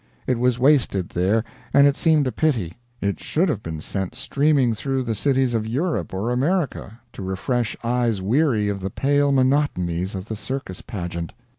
It was wasted there, and it seemed a pity. It should have been sent streaming through the cities of Europe or America, to refresh eyes weary of the pale monotonies of the circus pageant.